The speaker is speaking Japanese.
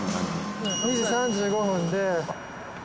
２時３５分で。